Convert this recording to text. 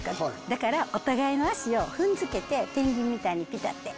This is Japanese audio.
だからお互いの足を踏んづけてペンギンみたいにピタって。